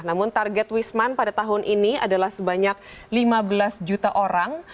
namun target wisman pada tahun ini adalah sebanyak lima belas juta orang